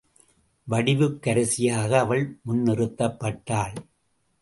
வடிவுக்கரசியாக அவள் முன் நிறுத்தப்பட்டாள்.